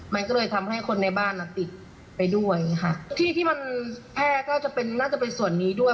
มันก็เลยทำให้คนในบ้านอ่ะติดไปด้วยค่ะที่ที่มันแพร่ก็จะเป็นน่าจะเป็นส่วนนี้ด้วย